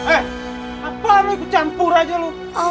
eh apaan ini kucampur saja mas